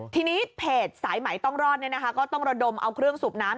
ทีนี้เพจสายไหมต้องรอดก็ต้องระดมเอาเครื่องสูบน้ำ